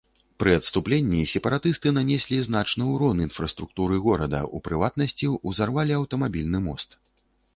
Пры адступленні сепаратысты нанеслі значны ўрон інфраструктуры горада, у прыватнасці, узарвалі аўтамабільны мост.